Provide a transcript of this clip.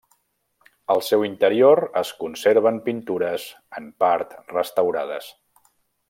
Al seu interior es conserven pintures, en part restaurades.